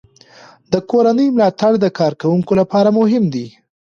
د کورنۍ ملاتړ د کارکوونکو لپاره مهم دی.